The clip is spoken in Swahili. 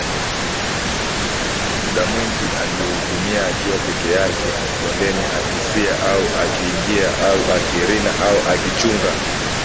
Muda mwingi aliutumia akiwa peke yake kondeni akisia au akiinga, au akirina au akichunga